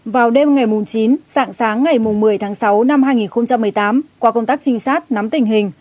vào đêm ngày chín dạng sáng ngày một mươi tháng sáu năm hai nghìn một mươi tám qua công tác trinh sát nắm tình hình